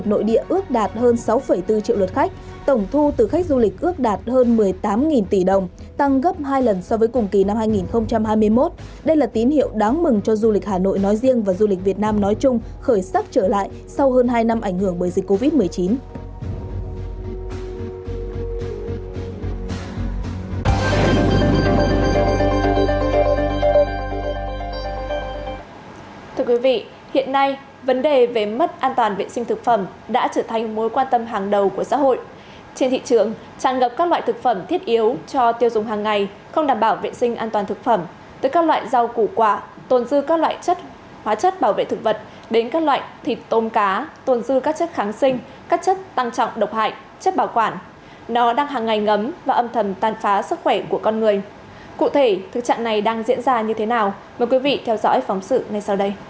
cụ thể thực trạng này đang diễn ra như thế nào mời quý vị theo dõi phóng sự ngay sau đây